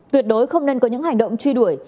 tuyệt đối không nên có những hành động truy đuổi